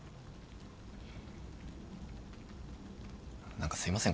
何かすいません